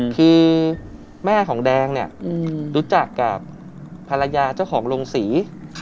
คือแม่ของแดงเนี่ยรู้จักกับภรรยาเจ้าของโรงศรี